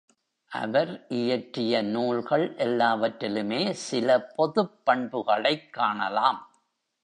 அவர் இயற்றிய நூல்கள் எல்லாவற்றிலுமே சில பொதுப் பண்புகளைக் காணலாம்.